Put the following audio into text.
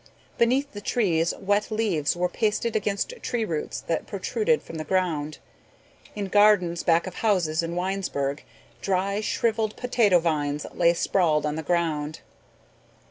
Beneath the trees wet leaves were pasted against tree roots that protruded from the ground. In gardens back of houses in Winesburg dry shriveled potato vines lay sprawling on the ground.